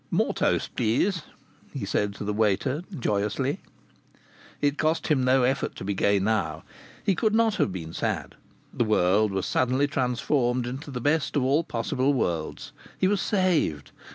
"More toast, please," he said to the waiter, joyously. It cost him no effort to be gay now. He could not have been sad. The world was suddenly transformed into the best of all possible worlds. He was saved!